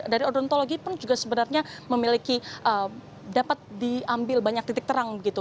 dari odontologi pun juga sebenarnya memiliki dapat diambil banyak titik terang begitu